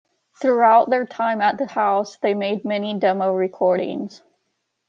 Throughout their time at the house they made many demo recordings.